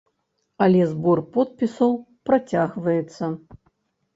Але збор подпісаў працягваецца.